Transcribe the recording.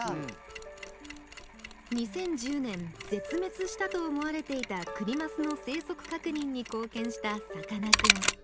２０１０年ぜつめつしたと思われていたクニマスの生息かくにんにこうけんしたさかなクン。